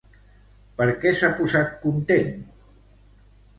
Per què s'ha posat content?